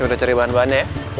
udah cari bahan bahannya